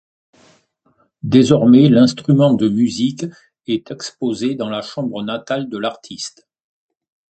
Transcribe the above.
Désormais, l'instrument de musique est exposé dans la chambre natale de l’artiste.